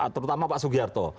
terutama pak sugiharto